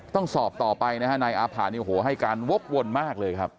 ต้องสอบต่อไปนะฮะนายอาภาเนี่ยโอ้โหให้การวกวนมากเลยครับ